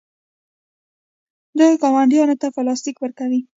دوی ګاونډیانو ته پلاستیک ورکوي.